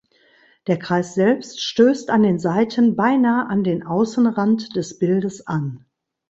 Der Kreis selbst stößt an den Seiten beinah an den Außenrand des Bildes an.